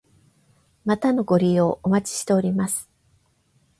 またのご利用お待ちしております。